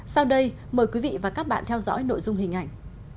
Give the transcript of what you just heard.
sau đây mời quý vị và các bạn theo dõi nội dung hình ảnh